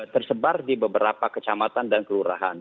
tersebar di beberapa kecamatan dan kelurahan